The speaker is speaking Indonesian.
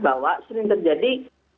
bahwa sering terjadi